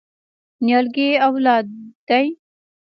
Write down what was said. نیالګی اولاد دی؟